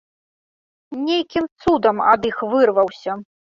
Нейкім цудам ад іх вырваўся.